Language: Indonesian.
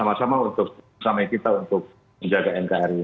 sama sama untuk bersama kita untuk menjaga nkri